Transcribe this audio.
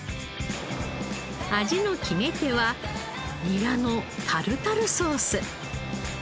味の決め手はニラのタルタルソース！